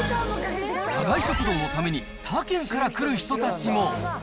永井食堂のために他県から来る人たちも。